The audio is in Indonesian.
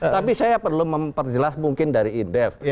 tapi saya perlu memperjelas mungkin dari indef